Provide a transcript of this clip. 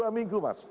dua minggu mas